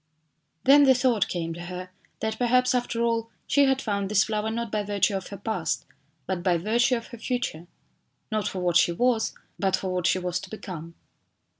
Then the thought came to her that perhaps after all she had found this flower not by virtue of her past but by virtue of her future ; not for what she was, but for what she was to become.